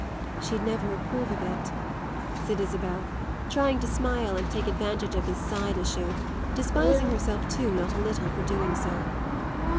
"She'd never approve of it," said Isabel, trying to smile and take advantage of this side issue; despising herself too, not a little, for doing so.